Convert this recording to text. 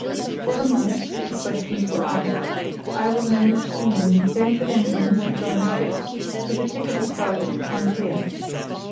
For the nonce, if questions were asked, I was an English seaman, going to Emden to join a ship, with a ticket as far as the frontier.